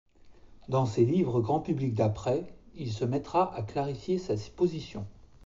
Dans ses livres grand public d'après, il se mettra à clarifier sa position.